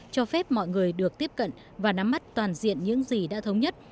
cho phép mọi người được tiếp cận và nắm mắt toàn diện những gì đã thống nhất